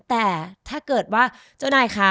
แต่ถ้าเกิดว่าเจ้านายคะ